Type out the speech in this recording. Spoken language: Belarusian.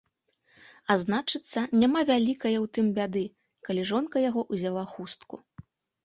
А значыцца, няма вялікае ў тым бяды, калі жонка яго ўзяла хустку.